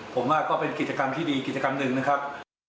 ผมว่าก็เป็นกิจกรรมที่ดีกิจกรรมหนึ่งนะครับ